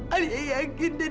alia yakin dan